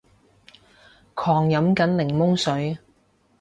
狂飲緊檸檬水